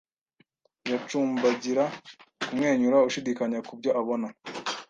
Yacumbagira kumwenyura Ushidikanya kubyo abona